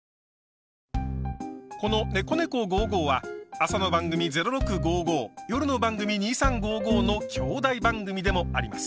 この「ねこねこ５５」は朝の番組「０６５５」夜の番組「２３５５」の兄弟番組でもあります。